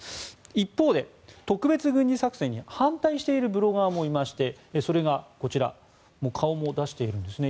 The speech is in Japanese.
一方で、特別軍事作戦に反対しているブロガーもいましてそれがこちら顔も出しているんですね。